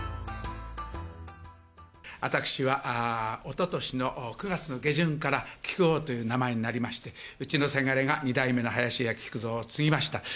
私はおととしの９月の下旬から木久扇という名前になりまして、うちのせがれが、二代目の林家木久蔵を継ぎました。